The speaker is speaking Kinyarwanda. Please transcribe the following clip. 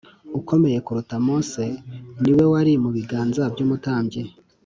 ukomeye kuruta Mose ni We wari mu biganza by’umutambyi